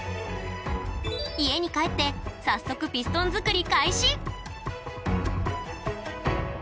家に帰って早速ピストン作り開始！